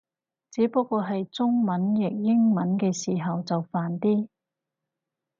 只不過係中文譯英文嘅時候就煩啲